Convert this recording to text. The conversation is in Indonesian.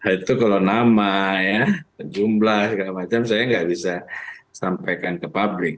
itu kalau nama ya jumlah segala macam saya nggak bisa sampaikan ke publik